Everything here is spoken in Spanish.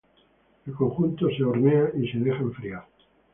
El conjunto se hornea y se deja enfriar.